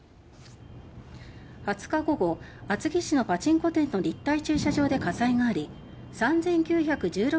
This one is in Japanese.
２０日午後厚木市のパチンコ店の立体駐車場で火災があり３９１６